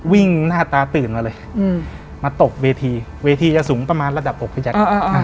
หน้าตาตื่นมาเลยมาตกเวทีเวทีจะสูงประมาณระดับอกพี่แจ๊ค